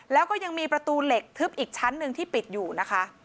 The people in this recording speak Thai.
แล้วก็ยังมีประตูเหล็กทึบอีกชั้นหนึ่งที่ปิดอยู่นะคะ